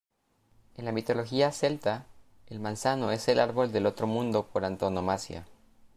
En la mitología celta, el manzano es el árbol del Otro Mundo por antonomasia.